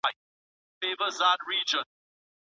د فراغت سند سمدستي نه لغوه کیږي.